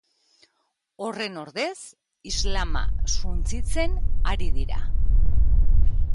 Horren ordez, islama suntsitzen ari dira.